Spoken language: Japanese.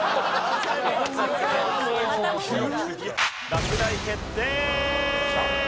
落第決定！